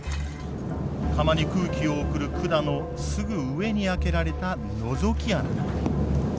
釜に空気を送る管のすぐ上に開けられたのぞき穴だ。